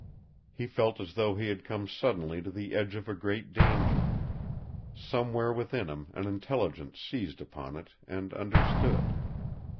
He felt as though he had come suddenly to the edge of a great danger; somewhere within him an intelligence seized upon it and understood.